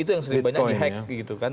itu yang sering banyak dihack gitu kan